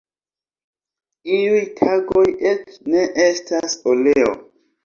Iuj tagoj eĉ ne estas oleo.